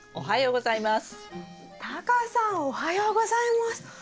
もえさんおはようございます。